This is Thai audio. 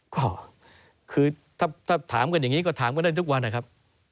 ก็คือถ้าถามกันอย่างนี้ก็ถามกันได้ทุกวันนะครับ